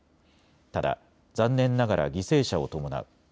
ただ、残念ながら犠牲者を伴う。